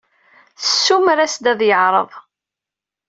Tessumer-as-d ad yeɛreḍ.